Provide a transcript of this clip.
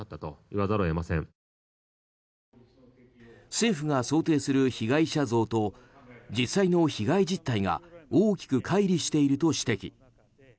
政府が想定する被害者像と実際の被害実態が大きく乖離していると指摘。